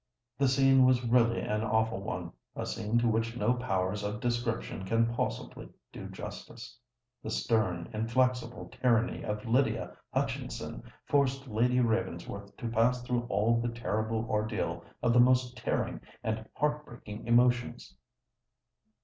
The scene was really an awful one—a scene to which no powers of description can possibly do justice. The stern, inflexible tyranny of Lydia Hutchinson forced Lady Ravensworth to pass through all the terrible ordeal of the most tearing and heart breaking emotions.